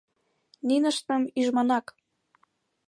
— Ниныштым ӱжманак.